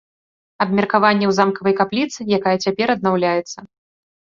Абмеркаванне ў замкавай капліцы, якая цяпер аднаўляецца.